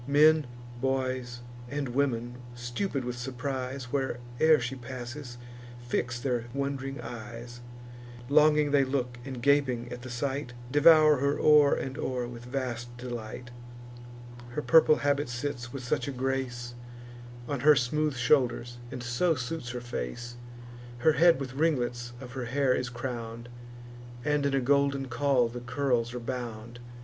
Men, boys, and women, stupid with surprise, Where'er she passes, fix their wond'ring eyes: Longing they look, and, gaping at the sight, Devour her o'er and o'er with vast delight; Her purple habit sits with such a grace On her smooth shoulders, and so suits her face; Her head with ringlets of her hair is crown'd, And in a golden caul the curls are bound.